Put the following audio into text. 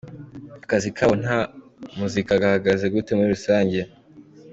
Akazi kabo nka muzika gahagaze gute muri rusange?.